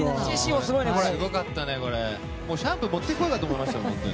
シャンプー持っていこうかと思いましたもん。